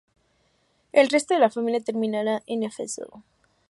El resto de la familia terminará en Éfeso.